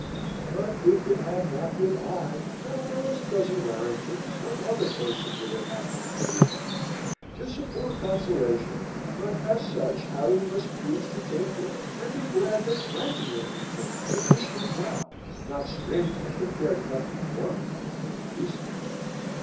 "But if it had not been I, thou knowest, cousin Warrington, some other person would have had thy money. 'Tis a poor consolation, but as such Harry must please to take it, and be glad that friends won his money, who wish him well, not strangers, who cared nothing for him, and fleeced him."